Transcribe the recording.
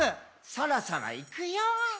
「そろそろいくよー」